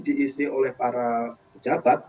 diisi oleh para jabat